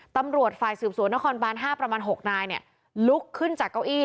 ตำรวจฝ่ายสืบสวนนครบาน๕ประมาณ๖นายลุกขึ้นจากเก้าอี้